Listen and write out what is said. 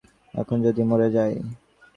এখন যদি মরে যাই?